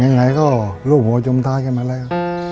ยังไงก็รูปหัวจมท้ายกันมาแล้ว